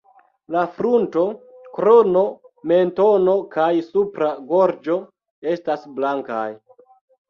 La frunto, krono, mentono kaj supra gorĝo estas blankaj.